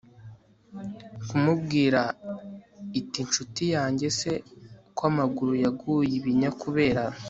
kumubwira itinshuti yange se, ko amaguru yaguye ibinya kubera